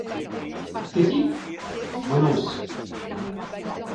Qu’est-il ? Renonce !